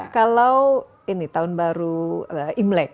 kalau ini tahun baru imlek